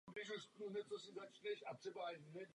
Musíme se zlepšit.